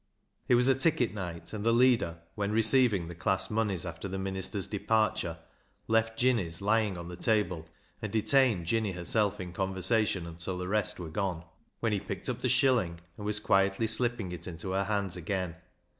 It was ticket night, and the leader, when receiving the class moneys after the minister's departure, left Jinny's lying on the table, and detained Jinny herself in conversation until the rest were gone, when he picked up the shilling and was quietly slipping it into her hands again.